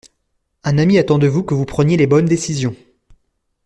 Un ami attend de vous que vous preniez les bonnes décisions.